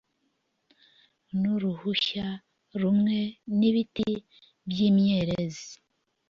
n’uruhushya rumwe rw’ibiti by’imyerezi